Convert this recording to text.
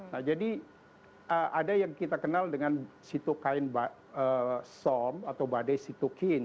nah jadi ada yang kita kenal dengan sitokin som atau badai sitokin